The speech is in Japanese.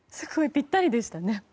ぴったりでしたね。